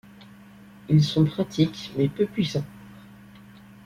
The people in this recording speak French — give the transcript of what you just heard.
Ils sont pratique mais peu puissants.